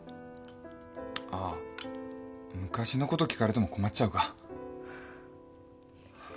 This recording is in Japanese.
あぁ昔のこと聞かれても困っちゃうか。